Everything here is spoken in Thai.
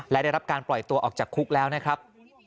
และได้รับการปล่อยตัวออกจากคุกแล้วนะครับ